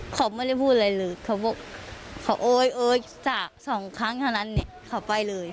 เขาไม่ได้พูดอะไรเลยเขาบอกโอ๊ยสาก๒ครั้งทั้งนั้นเนี่ยเขาไปเลย